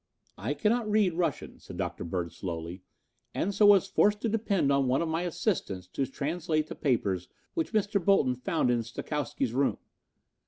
"I cannot read Russian," said Dr. Bird slowly, "and so was forced to depend on one of my assistants to translate the papers which Mr. Bolton found in Stokowsky's room.